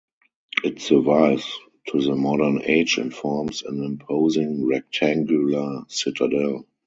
It survives to the modern age and forms an imposing rectangular citadel.